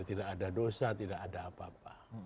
tidak ada dosa tidak ada apa apa